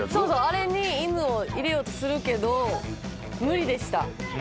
あれに犬を入れようとするけど無理でした。